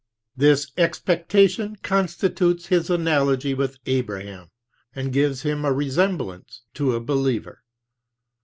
This expectation constitutes his analogy with Abraham, and gives him a resem blance to. a believer.